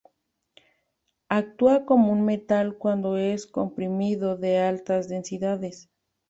Actúa como un metal cuando es comprimido a altas densidades.